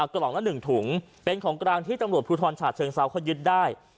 กล่องละหนึ่งถุงเป็นของกลางที่ตำรวจภูทรชาติเชิงเศร้าค่อยยึดได้